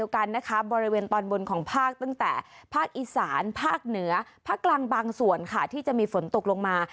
อีสานภาคเหนือภาคกลางบางส่วนค่ะที่จะมีฝนตกลงมา